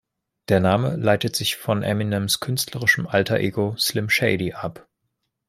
Der Name leitet sich von Eminems künstlerischem Alter Ego "Slim Shady" ab.